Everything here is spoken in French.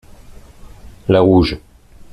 la rouge.